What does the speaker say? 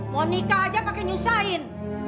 mau nikah aja pakai nyusahin